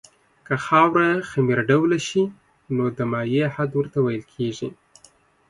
که خاوره خمیر ډوله شي نو د مایع حد ورته ویل کیږي